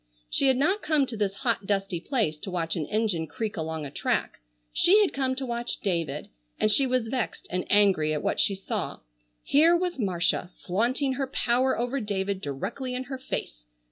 She had not come to this hot dusty place to watch an engine creak along a track, she had come to watch David, and she was vexed and angry at what she saw. Here was Marcia flaunting her power over David directly in her face.